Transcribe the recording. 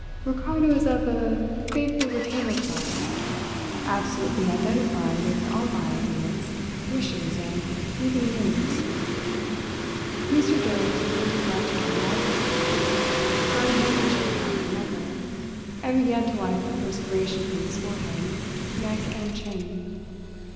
Ricardo is of the faithful retainer class absolutely identified with all my ideas, wishes, and even whims!" Mr Jones pulled his left hand out of his pocket, got a handkerchief out of another, and began to wipe the perspiration from his forehead, neck, and chin.